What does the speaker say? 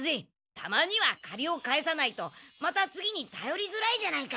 たまにはかりを返さないとまた次にたよりづらいじゃないか。